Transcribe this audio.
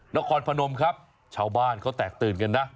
นครพนมครับชาวบ้านเขาแตกตื่นกันนะ